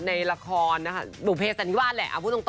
ในละครนะคะหนูเพชรสันวาลแหละพูดตรง